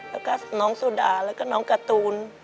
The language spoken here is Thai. แล้วก็น้องสุดาแล้วก็น้องการ์ตูน